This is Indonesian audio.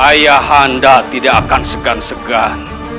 ayah anda tidak akan segan segan